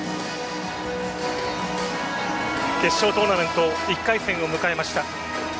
決勝トーナメント１回戦を迎えました。